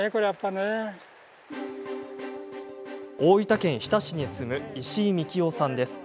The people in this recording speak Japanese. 大分県日田市に住む石井幹夫さんです。